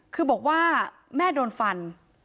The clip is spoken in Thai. คือบอกว่าแม่โดนฟัน